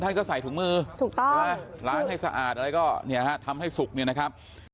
ท่านก็ใส่ถุงมือนะครับล้างให้สะอาดอะไรก็ทำให้สุกเนี่ยนะครับถูกต้อง